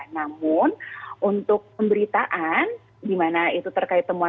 namun untuk pemberitaan gimana itu terkait temuan